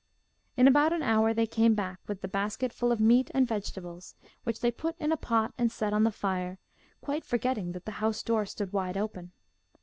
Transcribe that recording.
In about an hour they came back with the basket full of meat and vegetables, which they put in a pot, and set on the fire, quite forgetting that the house door stood wide open.